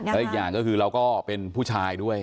และอีกอย่างก็คือเราก็เป็นผู้ชายด้วย